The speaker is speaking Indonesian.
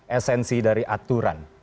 esensi dari aturan